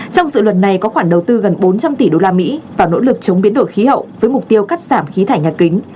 trong dự luật này có khoản đầu tư gần bốn trăm linh tỷ usd vào nỗ lực chống biến đổi khí hậu với mục tiêu cắt giảm khí thải nhà kính